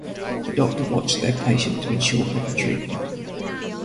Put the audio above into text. The doctor watched their patient to ensure proper treatment.